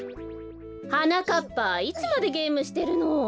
はなかっぱいつまでゲームしてるの？